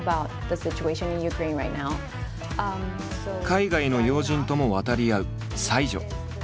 海外の要人とも渡り合う才女。